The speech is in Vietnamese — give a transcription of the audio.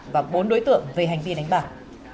và bốn đối tượng về hành vi đánh bạc